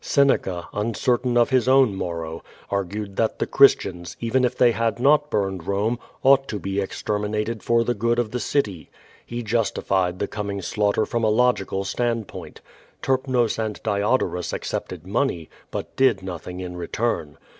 Seneca, uncertain of his own moiTow, argued that the Cliristians, even if they had not burned Pome, ought to be exterminatl'd for the good of the city. Ife justified the coming shiugliter from a logical stand |»oint. Terpnos and Diodorus acce|>ted money, but did nothing in return.